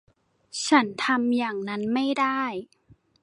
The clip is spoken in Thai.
ฉันทำอย่างนั้นไม่ได้